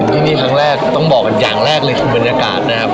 ที่นี่ครั้งแรกต้องบอกกันอย่างแรกเลยคือบรรยากาศนะครับ